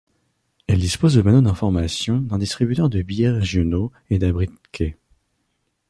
Elle dispose de panneaux d'informations, d'un distributeur de billets régionaux et d'abris de quais.